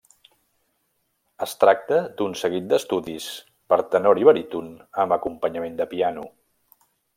Es tracta d'un seguit d'estudis per tenor i baríton amb acompanyament de piano.